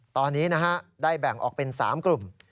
ตอนนี้ได้แบ่งออกเป็น๓กลุ่ม